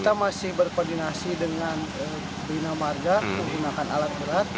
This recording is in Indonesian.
kita masih berkoordinasi dengan bina marga menggunakan alat berat